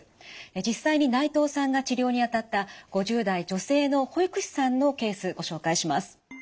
実際に内藤さんが治療にあたった５０代女性の保育士さんのケースご紹介します。